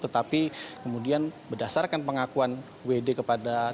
tetapi kemudian berdasarkan pengakuan wd kepada